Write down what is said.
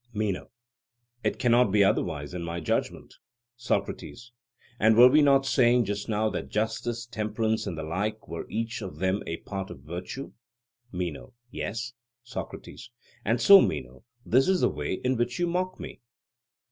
MENO: It cannot be otherwise, in my judgment. SOCRATES: And were we not saying just now that justice, temperance, and the like, were each of them a part of virtue? MENO: Yes. SOCRATES: And so, Meno, this is the way in which you mock me.